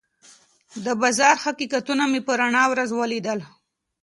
د بازار حقیقتونه مې په رڼا ورځ ولیدل.